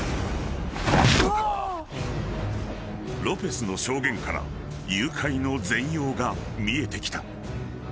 ［ロペスの証言から誘拐の全容が見えてきた］